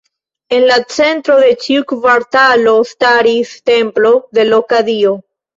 En la centro de ĉiu kvartalo staris templo de loka dio.